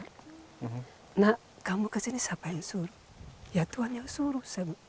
nak kamu kesini siapa yang suruh ya tuhan yang suruh